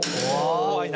怖いな。